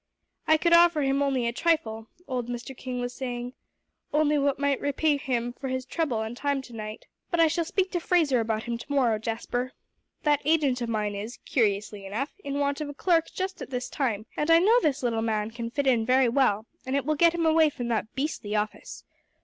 "I could offer him only a trifle," old Mr. King was saying, "only what might repay him for his trouble and time to night. But I shall speak to Fraser about him to morrow, Jasper. That agent of mine is, curiously enough, in want of a clerk just at this time, and I know this little man can fit in very well, and it will get him away from that beastly office.